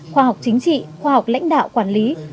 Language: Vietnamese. khoa học chính trị khoa học lãnh đạo quản lý